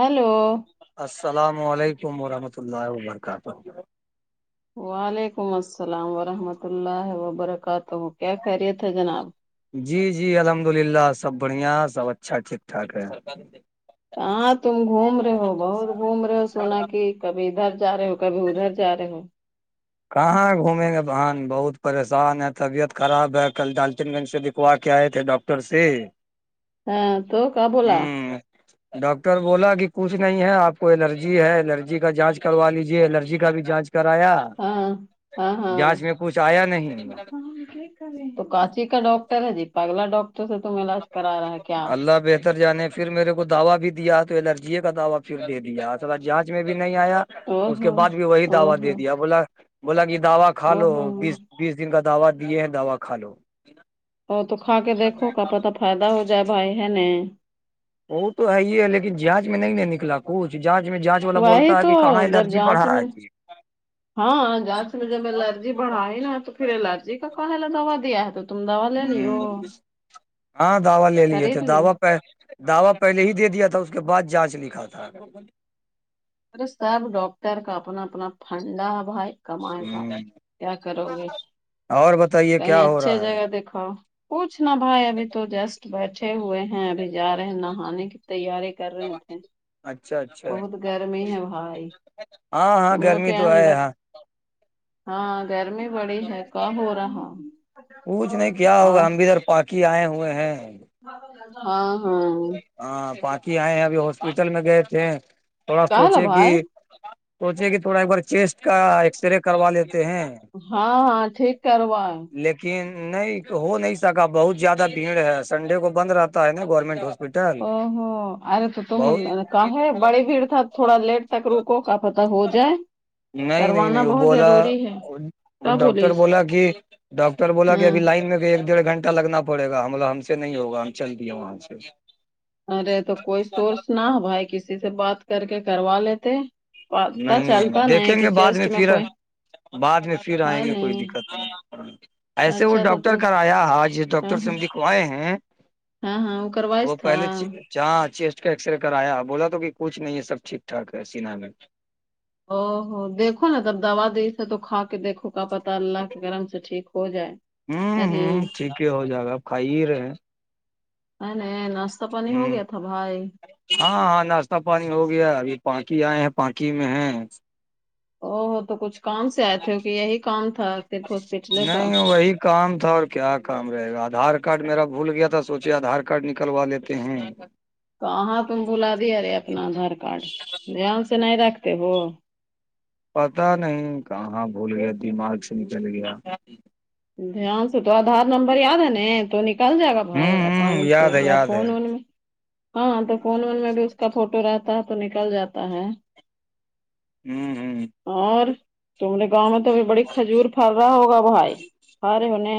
Hello السلام علیکم ورحمۃ اللہ وبرکاتہ وعلیکم السلام ورحمۃ اللہ وبرکاتہ کیا خیریت ہے جناب جی جی الحمد للہ سب بڑھیا سب اچھا ٹھیکٹھاک ہے ہاں تم گھوم رہے ہو بہت گھوم رہے ہو سونا کی کبھی ادھر جا رہے ہو کبھی ادھر جا رہے ہو کہاں گھومیں گے بہن بہت پریشان ہے طبیعت خراب ہے کل ڈالچن گنج سے بکھوا کے آئے تھے ڈاکٹر ر سے ہاں تو کیا بولا ہوں [unintelligible] ڈاکٹر بولا کہ کچھ نہیں ہے آپ کو الرجی ہے الرجی کا جانچ کروا لیجے الرجی کا بھی جانچ کرایا ہاں ہاں ہاں جانچ میں کچھ آیا نہیں تو کاچی کا ڈاکٹر ہے جی پگلا ڈاکٹر سے تم علاج کرا رہا ہے کیا اللہ بہتر جانے کا پھر میرے کو دعوا بھی دیا تو الرجی کا دعوا پھر دے دیا اصل جانچ میں بھی نہیں آیا او [unintelligible] اس کے ہو بعد بھی وہی او دعوی دے ہو دیا بولا بولا کہ دا کھا او لو ہو بیس بیس دن کا دوا دیے ہیں دوا کھا لو اور تو کھا کے دیکھو کا پتا فائدہ ہو جائے بھائی ہے نہیں وہ تو ہے ہی ہے لیکن جانچ میں نہیں نہیں نکلا کچھ جانچ میں جانچ والا وہی بولتا ہے تو کہ کہاں جب الرجی بڑ جانچ رہا ہے میں جی ہاں گاس میں جب ایلرجی بڑا ن تو پھر ایلرجی کا کلا دا دیا ہے تو [unintelligible] لیو ہاں دعوا لے لیے تھے خرید لیو دوا پ [unintelligible] دعوا پہلے ہی دے دیا تھا اس کے بعد جانچ لکھا تھا ارے سب ڈاکٹر کا اپنا اپنا فھنڈابھائی [unintelligible] کمائے کا ہ کیا کرو گے اور بتائیے کہیں کیا ہو اچھے رہا ہے جگہ دکھاؤ کچھ نہ بھائی ابھی تو جسٹ بیٹھے ہوئے ہیں ابھی جا رہے ہیں نہانے کی تیاری کر رہے تھے اچھا اچھا بہت گر میں ہی ہے بھائی ہاں ہاں تم لوگ گرمی کیا تو ہے انندک ہاں ہاں گرمی بڑی ہے کا ہو رہا کی آئے ہوئے ہیں [unintelligible] ہاں ہاں ہاں بااکی آئے ابھی ہاسپٹل میں گئے تھے تھوڑا کہلا سوچے کہ بھائی سوچے کہ تھوڑا ایک بار چیسٹ کا ایکس رے کروا لیتے ہیں ہاں ہاں ٹھیک کروائے لیکن کہ نہیں ہو نہیں سکا بہت زیادہ بھیڑ ہے سنڈے کو بند رہتا ہے نا گورنمنٹ ہو او ہو ارے تو تم کہے بڑی بھیڑ تھا تھوڑا لیٹ تک روکو کا پت ہو جائے نہیں نہیں کروانا نہیں وہ بہت بولا ضروری ہے کیا بولی ڈاکٹر اس بولا کہ ڈاکر ر بولا ہاں کہبھی لائن میں بھی ایک ڈڑھ گھنٹہ لگنا پڑے گا ہم ہم سے نہیں ہوگ ہم چل دے وہاں سے [unintelligible] ارے تو کوئی سورس نہ بھائی کسی سے بات کر کے کروا لیتے پت نہیں چلتا دیکھیں نہیں کہ گے بعد چیسٹ میں پھر کوئی بعد میں پھر آئیں ہاں گے کوئی نہیں دقت نہیں ایسے وہ اچھا تو ڈاکٹر تم کرایا ج ہاں ڈاکٹر سے ہاں ہم [unintelligible] کئے ہیں ہاں ہاں کروائس وہ تھا پہلے چ [unintelligible] جہاں چیسٹ کا ایکسرے کرایا بولا تو کچھ نہیں ہے سب ٹھیک ٹھاک ہے سینا گ [unintelligible] او ہو دیکھو نا تب دوا د [unintelligible] ے تو کھا کے دیکھو کا پتہ اللہ کہ گرم سے ٹھیک ہو جائے [unintelligible] ہوں ارے ہوں ٹھیک ہی ہو جائے گا آپ کھائی ہی رہے ہیں ا نہیں ناشتہ پانی ہو ہ گیا تھا بھائی [unintelligible] ہاں ہاں ناشتہ پانی ہو گیا ابھی پانکی آئے ہیں پانکی میں ہے او ہو تو کچھ کام سے آئے تھے کہ یہی کام تھا صرف ہاسپٹلے کا نہیں وہی کام تھا اور کیا کام رہے گا آدھار کارڈ میرا بھول گیا تھا سوچے آدھار کارڈ نکلوا لیتے ہیں تو آاں تم بلا دیا رے اپنا آدھار کارڈ دھیان سے نہیں رکھتے ہو [unintelligible] پتا نہیں کہاں بھول گیا دماغ سے نکل گیا دھیان سے تو آدار نمبر یاد ہے ن تو نکل جائے گا [unintelligible] بھائی ہوں ہوں آسانی یاد سے ہے یا یاد ہے فون وون میں ہاں تو فون وون میں بھی اس کا فوٹو رہتا ہے تو نکل جاتا ہے ہمم اور تمے گاؤں میں توھی بڑی کھجور پر رہا ہوگا بھائی آرے نہی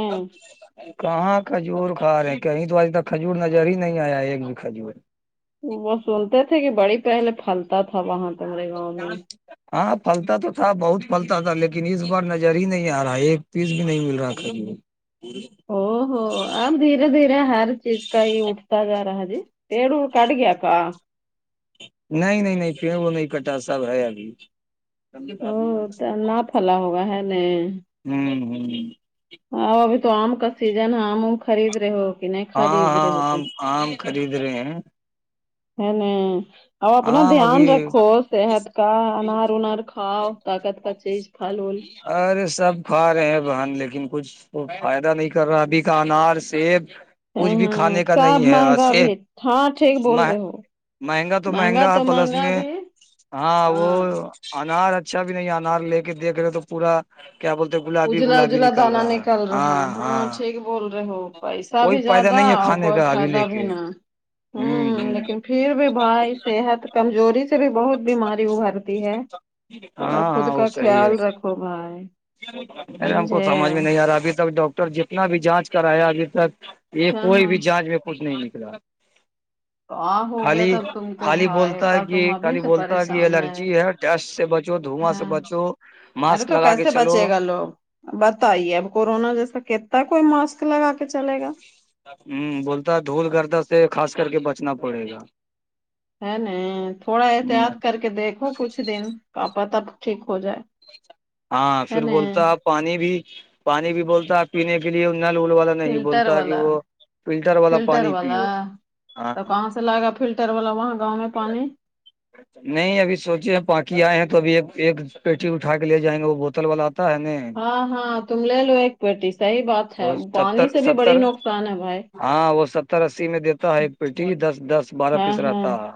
کہاں کھجور کھا رہے ہیں کہیں تو آج تک کھجور نظر ہی نہیں آیا ہے ایک بھی کھجور وہ سنتے تھے کہ بڑی پہلے پھلتا تھا وہاں تمہارے گاؤں میں [unintelligible] ہاں پھلتا تو تھا بہت پھلتا تھا لیکن اس بار نظر ہی نہیں آ رہا ایک پیس بھی نہیں مل رہا تھا او ہوو آم د دھیرے دھیرے ہر چیز کا ہی اٹھتا جا رہا ہے جی پیڑ کھ گیا کا نہیں نہیں نہیں پیڑ نہیں کٹا سب ہے ابھی ا نہ پھلا ہوگا ہے ن ہم ہم ہاں ابھی تو آم کا سیزن ہے آم ہی خرید رہے ہو کہ نہیں ہاں خرید ہاں رہے ہو تم ہم خردید آم خرید رہے ہیں ہے نا اپنا آم دھیان ابھی رکھو صحت کا انار اونار کھاؤ طاقت کا چیز کھا لول ارے سب کھا رہے ہیں بہن لیکن کچھ تو فائدہ نہیں کر رہا ابھی کا انار سیب کچھ ہاں بھی۔ ہاں کھاے کا سب نہی آج مہنگا سے بھی ہاں ٹھیک بول رہے ہو مہنگا تو مہنگا تو پلس مہنگا میں بھی ہاں وہ انار اچھا بھی نہیں انار لے کے دیکھ رہے تو پورا کیا بولتے گ اجلا اجلا دانا نکل رہا ہاں ہے بول رہے ہو پیسہ کوئی بھی فائدہ زیادہ نہیں ہے اور کھانے کوئی کا ابھی فائدہ لے بھی کے نہ ہوں ہمم ہ لیکن پھر بھی بھائی صحت کمزور اس سے بھی بہت بیماری ابھرتی ہے تھوڑا ہاں خود ہاں وہ کا صحیح ہے خیال رکھو بھائی ارے ہم کو سمجھے سمجھ میں نہیں ہاں آ رہا ابھی تک ڈاکٹر جتنا بھی جانچ کرایا ابھی تک یہ کوئی ہاں بھی جج میں کچھ نہیں نکلا تو آ ہو گیا خالی تب تم کو عاللی بھائی بولتا ہے تب تم کہ ابھی خالی سے بولتا ہے کہ پریشان الرجی ہے ٹیسٹ سے بچو دھواں سے ہاں بچو ارے ماسک تو لگا کے کیسے چلو بچے ہ گا لوگ بتائیے اب کورونا جیسا کتتا ہے کوئی ماسک لگا کے چلے گا ہوں بولتا دھول گردہ سے خاص کر کے بچنا پڑے گا ہے نا تھوڑا ہ احتیاط کر کے دیکھو کچھ دن کیا پتی ٹھیک ہو جائے ہاں ہے پھر ن بولتا ہے پانی بھی پانی بھی بولتا ہے پینے کے لیے نل وول والا نہیں فلٹر بولتا کہ والا وہ فلٹر والا پانی پیو ہاں تو کہاں لگا فلٹر والا وہاں گاؤں میں پانی نہیں ابھی سوچے ہیں پانکی آئے ہیں تو ابھی ایک پیٹی اٹھا کے لے جائیں گے وہ بوتل والا آتا ہے نہیں ہاں ہاں تم لے لو ایک پییٹی صحیح بات ہے اور پانی ستر سے بھی بڑی ستر نقصان ہے بھائی ہاں وہ ستر اسی میں دیتا ہے ایک پیٹی دس دس بارہ ہاں پیس ہاں رہتا ہے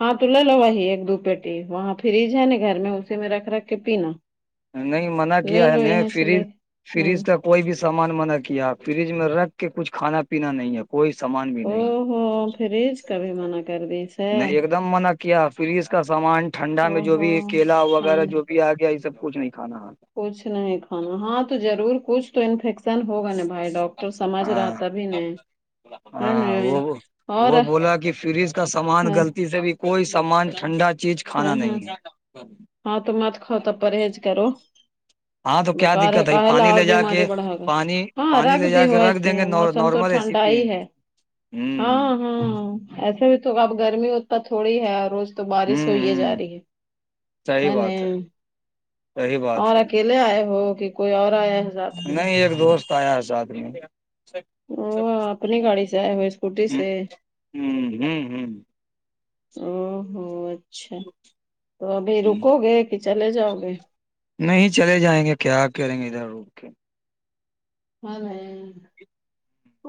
ہاں تو لے لو وہی ایک دو پیٹی وہاں فریج ہے نا گھر میں اسی میں رکھ رکھ کے پینا نہیں منع کیا لے ہے لو نا یہیں سے فریج لے کے۔ فریج ہوں تک کوئی بھی سامان منع کیا فریج میں رکھ کے کچھ کھانا پینا نہیں ہے کوئی سمان او ہوو فریج کا بھیھی منع کر دیسے نے ایک دم منع کیا فریج کا سامان ٹھنڈا میں او جو ہو بھی کیلا وغیرہ ٹھنڈ جو بھی آگ سب کچھ نہیں کانا کچھ نہیں کھانا ہاں تو ظرور کچھ تو انفیکشن ہوگا نا بھائی ڈاکٹر سمجھ ہاں رہاتا بھی نہیں ہے ہاں وہ نہیں اور وہ بولا کہ فریج کا سامان ہاں غلط سے بھی کوئی سامان ٹھنڈا چیز ہاں کھانا ہاں نہیں ہے ہاں تو مت خا تو پرہز کرو ہاں تو کیا بیکار ہے دقت کا ل پانی اور لے جا بیماری کے بڑھا گئے پانی ہاں پانی رکھ لے دی جا ہو کے رکھ ایسے دیں گے ہی موسم موسم تو نارمل اے سی ٹھنڈا ہی پیئیں گے ہے ہوں ہاں ہاں ایسے بھی تو اب گرمی ہوتا تھوڑی ہے روز تو بارش ہوں چوئیے جا ہوں رہی صحیح ہے بات ن صحیح بات اور ہے اکیل پے آئے ہو کہ کوئی اور آیا میں نہیں ایک دوست آیا ہے ساتھ میں او اپنی گاڑی سے آئے ہوئے اسکوٹی ہ سے ہ ہ ہ او ہوو اچھا تو ابھی رکو گے کہ چلے جاؤ گے نہیں چلے جائیں گے کیا کریں گے ادھر اھ کے ہاں بھائی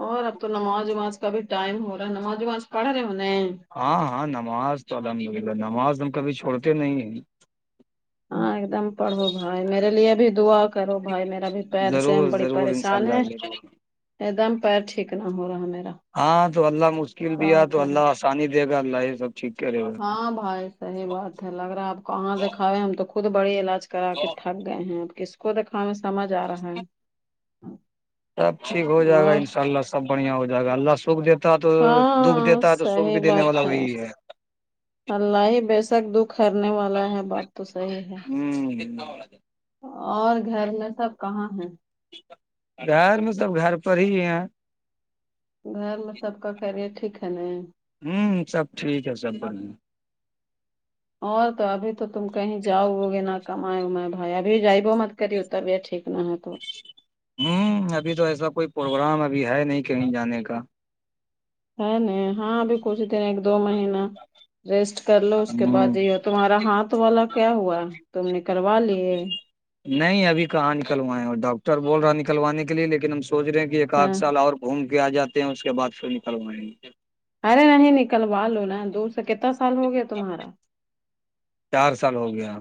اور اب تو نماز وماز کا بھی ٹائم ہو رہا ہے نماز وماز پڑھ رہے ہوہ ہاں ہاں نماز تو الحمدلہ نماز ہم کبھی چھوڑتے نہیں ہیں ہاں ایک دم پڑھو بھائی میرے لیے بھی دعا کرو بھائی میرا بھی پیر سے ہم ضرور بڑی ضرور انشاء پریشان اللہ ہیں ضرور ایک دم پیر ٹھیک نہ ہو رہا میرا کیا کرے پانی دے گا اللہ یہ سب ٹھیک کر رہے گا ہاں بھائی صحیح بات ہے لگ رہا آپ کہاں دکھاوے ہم تو خود بڑی علاج کرا کے تھک گئے ہیں اب کس کو دکھان میں سمج آ رہا ہے سب ٹھیک ہو جائے گا اور ان شاء اللہ سب بڑھیا ہو جائے گا اللہ سکھ دیتا تو دکھ ہاں دیتا ہے تو سوکھ بھی صحیح دینے والا بات وہی ہے اللہ ہی بے شک دکھ کرنے والا ہے بات تو صحیح ہے ہوں اور گھر میں سب کہاں ہیں گر میں سب گھر پر ہی یہ گھر میں سب کا خ رے ٹھیک ہے ن ہوں سب ٹھیک ہے سب بن اور تو ابھی تو تم کہیں جاؤ گوگے نہ کمائے امائے بھائی ابھی جائی ب مت کرری اتتا بھی ہے ٹھیک نہ ہے تو ہوں ابھی تو ایسا کوئی پروگرام ابھی ہے نہیں کہیں جانے کا ہے نہیں ہاں ابھی کچھ دن ایک دو مہینہ ریسٹ کر لو اس کے بعد ہوں یہیتا تمہارا ہاتھ والا کیا ہوا تم نے کروا لی نہیں ابھی کہاں نکلویں اور ڈاکٹر بول رہا نکلوانے کے لیے لیکن ہم سوچ رہے ہیں کہ ایک آدھ ہاں سال اور گھوم کے آ جاتے ہیں اس کے بعد پھر نکلوائیں گے ارے نہیں نکلوا لو نا دور سے کتنا سال ہو گیا تمہارا چار سال ہو گیا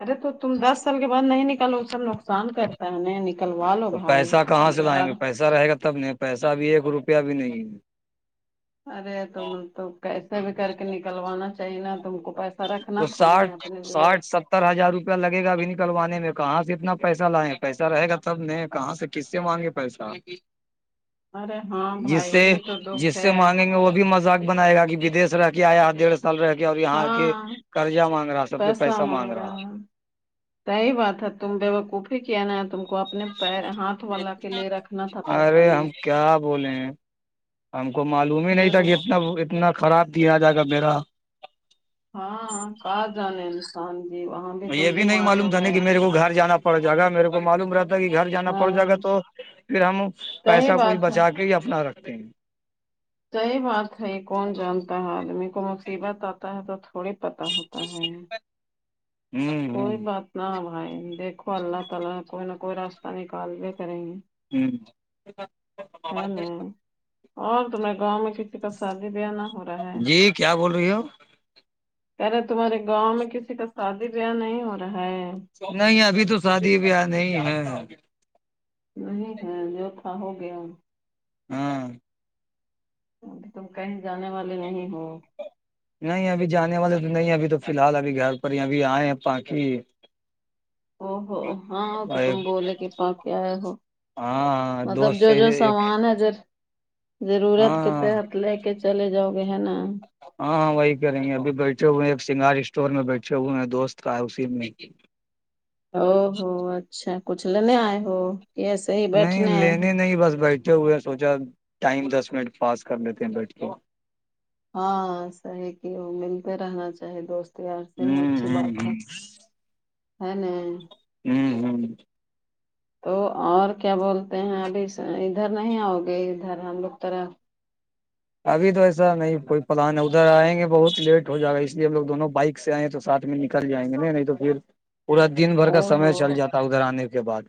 ارے تو تم دس سال کے بعد نہیں نکالو سب نقصان کرتا ہے انہک نکلوا لو بھائی میں تو بد ایسا رہے گا تب نہیں پیسہ بھی ایک روپیہ بھی نہیں ارے تم تو کیسے بھی کر کے نکلوانا چاہی نا تم کو پیسہ رکھنا تو تھا نہیں ساٹھ اپنے لیے ساٹھ ستر ہزار روپیہ لگے گا اھی نکلوانے میں کہاں سے اتنا پیسہ لائےیں پیسہ رہ گا تب نہیں کہاں سے کس سے مانگے پیسہ ارے ہاں جس بھائی سے یہی تو دکھ جس سے ہے مانگیں گے وہ بھی مزہ بنائے گا کہ ودش رہ کے آیا ڈیڑھ سال رہ کے اور یہاں کے ہاں قرضہ مانگ رہا ہے سب سے پیسہ مانگ رہا ہے صی بات ہے تم دو کوفی کیانا ہے تم کو آپ تھا ارے پیسہ نے ہم کیا بولے ہیں ہم کو معلوم ہی نہیں تھا کہ ضرور اتنا اتنا خراب دیا جائے گا میرا ہاں کہاں جان انسان جیوا یہ بھی نہیں معلوم تھا نہیں میرے کو گھر جانا پڑ جائے گا میرے کو معلوم رہتا تھا کہ گھر جانا پڑ ہاں جائے گا تو پھر ہم صحیح پیسہ کھ بات ہے بچا کے ہی اپنا رکھتے ہیں صحیح بات ہے یہ کون جانتا ہے آدمی کو مصیبت آتا ہے تو تھوڑی پتہ ہوتا ہے ہوں دیکھو اللہ تعالی کوئی نہ کوئی راستہ نکال دیا کریں ہوں ہ ہے نہیں اور تو میں گاؤں میں ک سادی بیا نہیں ہو رہا ہے جی کیا بول رہی ہو کہہ رہے تمہارے گاؤں میں کسی کا شادی بیاہ نہیں ہو رہا ہے نہیں ابھی تو شادی بیاہ نہیں ہے نہیں ہے جو تھا ہو گیا ہاں تم کہیں جانے والے نہیں ہو نہیں ابھی جانے والے تو نہیں ابھی تو فی الحال ابھی گھر پر ہی ابھی آئے ہیں پاکی او ہو ہاں تو تم بولے کہ پ کیا ہے ہو ہاں مطلب دوست جو کے جو ایک سامان ہے ج ضرورت ہاں کتے لے کے چلے جاؤ گے ہے نا ہاں ہاں وہی کریںی ابھی بیٹھے ہوئے ہیں ایک سنگار اسٹور میں بیٹھے ہوئے دوست کا ہے اسی میں او ہو اچھا کچھ لینے آئے ہو یس نہیں لینے نہیں بس بیٹھے ہوئے سوچا ٹائم دس منٹ پاس کر لیتے ہیں بیٹھے ہاں صحیح کیا ملتے رہنا چاہے دوست یار سے اچھی ہوں بات ہے ہ ہے ن ہمم ہمم [inaudible] تو اور کیا بولتے ہیں ابھی ادھر نہیں آؤ گے ادھر ہم لوگ تورا ابھی تو ایسا نہیں کوئی پلان ہے ادھر آئ گے بہت لیٹ ہو جائے گا اس لیےب لوگ دونوں بائک سے آئے ہیں تو سات میں نکل جائیں گے ن نہیں تو پھر پورا دن بھر او کا سمے ہو چل جاتا ادھر آنے کے بعد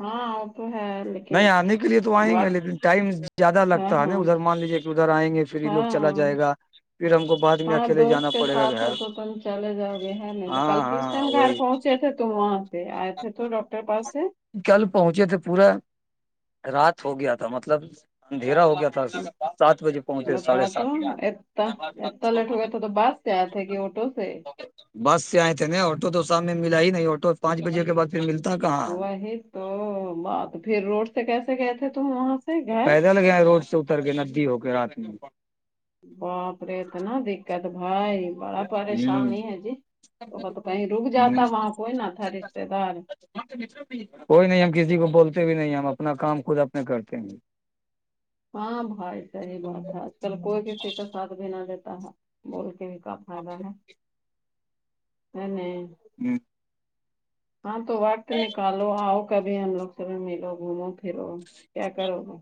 ہاں وہ تو ہے لیکن نہیں آنے کے لیے تو آئیں گے وقت لیکن ٹائم زیادہ ہاں لگتا ہے نا ہاں ادھر مان لیجیے کہ ادھر آئیں گے پھر لوگ چلا ہاں جائے گا پھر ہم کو بعد میں ہاں اکیلے جانا دوست کے پڑے گا ساتھ ہو گھر تو تم چلے جاؤ گے ہے نہیں تو کل ہاں کس ہاں ٹائم گھر وہی پہنچے تھے تو وہاں پ آئے تھے تو ڈاکٹر پاس سے کل پہنچے تھے پورا رات ہو گیا تھا مطلب اندھیرا ہو گیا تھا سات بجے پہنچتے ساڑھے بتاؤ تو سات ب جی اٹو سے بس سے آئے تھے ن آٹو تو شام میں ملا ہی نہیں آٹو پانچ بجے کے بع ملتا کہاں وہی تو بات پھر روڈ سے کیسے گئے تھے تو وہاں سے گھر پیدل گیا روڈ سے اتر کے ندی ہو کے رات میں باپ رے اتنا دقت بھائی بڑا ہ پریشانی ہے جی تو تو کہیں رک جاتا ہ وہاں کوئی نہ تھا رشتے دار کوئی نہیں ہم کسی کو بولتے بھی نہیں ہم اپنا کام خود اپنے کرتے ہیں گ ہاں بھائی صحیح بات ہے آج کل کوئی کسی کا ساتھ بھی نہ لیتا ہے بول کے بھی کام [inaudible] [inaudible] ہاں تو وقت نکالو آؤ کبھی ہم لوگ سب ملو گھومو پھرو کیا کرو گے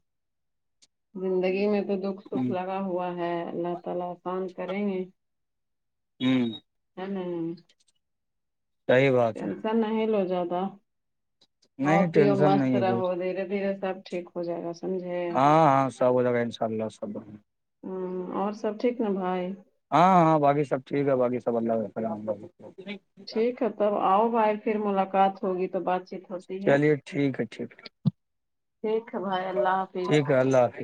زندگی میں تو دکھ سکھ لگ کیا ہوا ہے ہوں [inaudible] [inaudible] صحیح بات ہے [unintelligible] ٹینشن لو جا ہ نہیں پیو ٹینشن مست نہیں ہے کچھ رہو دھیرے دھیرے سب ٹھیک ہو [unintelligible] ہو جائے گا سمجھے [unintelligible] ہاں ہاں سب جگہ ان شاء اللہ سب ہوں اور سب ٹھیک ن بھائی ہاں ہاں باقی سب ٹھیک ہے باقی سب اللہام ٹھیک ہے تب آؤ بھائی پھر ملاقات ہوگی تو بات چیت ہوتی ہے چلیے ٹھیک ہے ٹھیک ٹھیک ہے بھائی اللہ حافظ [unintelligible] ٹھیک ہے اللہ حافظ